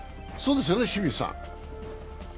そうですよね、清水さん。